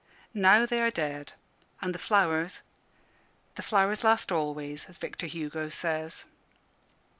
Now they are dead, and the flowers the flowers last always, as Victor Hugo says.